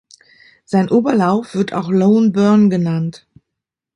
Sein Oberlauf wird auch "Lone Burn" genannt.